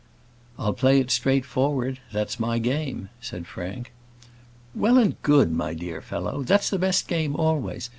"I'll play it straightforward; that's my game" said Frank. "Well and good, my dear fellow. That's the best game always.